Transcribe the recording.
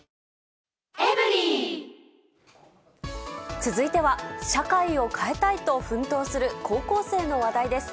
続いては、社会を変えたいと奮闘する高校生の話題です。